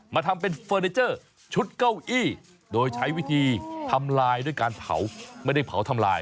มาทำเป็นเฟอร์เนเจอร์ชุดเก้าอี้โดยใช้วิธีทำลายไม่ได้เพลาทำลาย